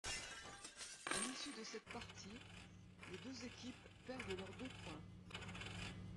À l'issue de cette partie, les deux équipes perdent leurs deux points.